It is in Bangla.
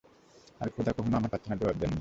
আর খোদা কখনো আমার প্রার্থনার জবাব দেননি।